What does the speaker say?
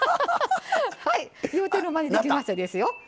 はい言うてる間にできましたですよ。